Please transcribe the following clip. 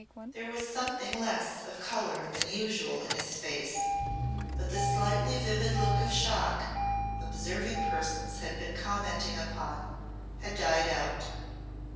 There was something less of colour than usual in his face, but the slightly vivid look of shock observing persons had been commenting upon had died out.